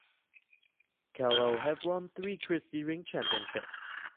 Carlow have won three Christy Ring Championships.